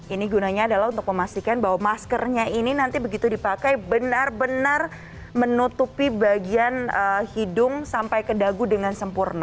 ini gunanya adalah untuk memastikan bahwa maskernya ini nanti begitu dipakai benar benar menutupi bagian hidung sampai ke dagu dengan sempurna